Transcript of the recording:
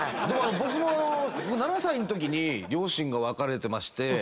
でも僕も７歳んときに両親が別れてまして。